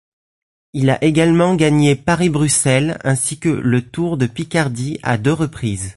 Il a également gagné Paris-Bruxelles ainsi que le Tour de Picardie à deux reprises.